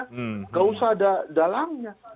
tidak usah ada dalangnya